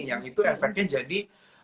yang itu efeknya jadi